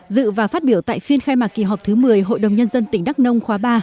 dự và phát biểu tại phiên khai mạc kỳ họp thứ một mươi hội đồng nhân dân tỉnh đắk nông khóa ba